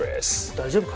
大丈夫か？